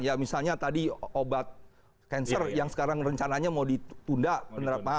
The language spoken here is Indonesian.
ya misalnya tadi obat cancer yang sekarang rencananya mau ditunda penerapannya